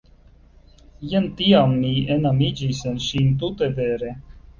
Jen tiam mi enamiĝis en ŝin tute vere.